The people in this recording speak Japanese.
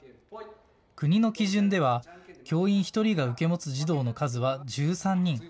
国の基準では教員１人が受け持つ児童の数は１３人。